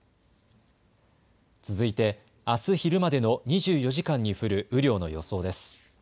続いて、あす昼までの２４時間に降る雨量の予想です。